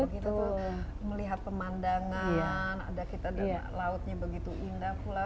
kita melihat pemandangan ada kita dan lautnya begitu indah pula